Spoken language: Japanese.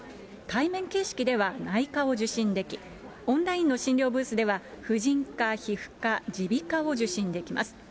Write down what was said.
対面形式では内科を受診でき、オンラインの診療ブースでは婦人科、皮膚科、耳鼻科を受診できます。